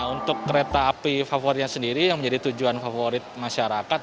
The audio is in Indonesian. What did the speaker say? untuk kereta api favoritnya sendiri yang menjadi tujuan favorit masyarakat